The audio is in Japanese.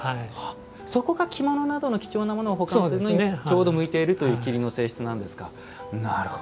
そこが着物などの貴重なものを保管するのにちょうど向いているという桐の性質なんですか。